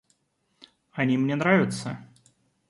Они мне нравятся.